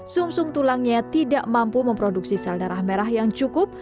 sum sum tulangnya tidak mampu memproduksi sel darah merah yang cukup